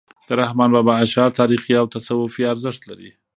د رحمان بابا اشعار تاریخي او تصوفي ارزښت لري .